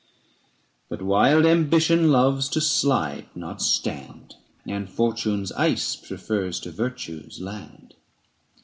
But wild ambition loves to slide, not stand, And fortune's ice prefers to virtue's land.